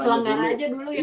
terus langgan aja dulu ya mas